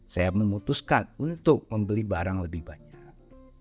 saya memutuskan untuk membeli barang lebih banyak